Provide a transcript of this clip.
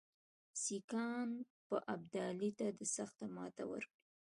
سیکهان به ابدالي ته سخته ماته ورکړي.